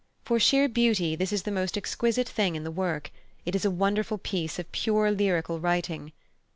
For sheer beauty this is the most exquisite thing in the work: it is a wonderful piece of pure lyrical writing.